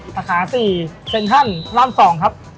สาขา๔เซ็นทรัลลำ๒ครับ